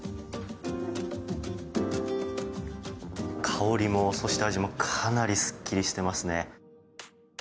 香りもそして味もかなりすっきりしていますね。